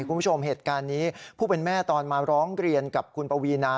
คุณผู้ชมเหตุการณ์นี้ผู้เป็นแม่ตอนมาร้องเรียนกับคุณปวีนา